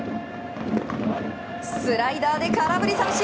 スライダーで空振り三振！